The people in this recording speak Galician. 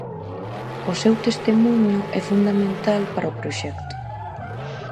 O seu testemuño é fundamental para o proxecto.